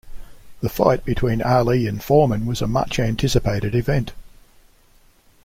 The fight between Ali and Foreman was a much-anticipated event.